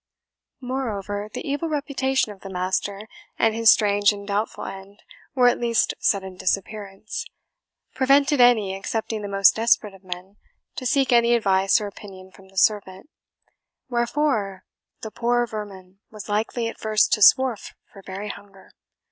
"Moreover, the evil reputation of the master, and his strange and doubtful end, or at least sudden disappearance, prevented any, excepting the most desperate of men, to seek any advice or opinion from the servant; wherefore, the poor vermin was likely at first to swarf for very hunger.